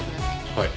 はい。